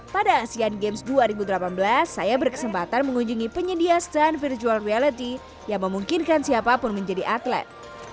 pada asean games dua ribu delapan belas saya berkesempatan mengunjungi penyedia stand virtual reality yang memungkinkan siapapun menjadi atlet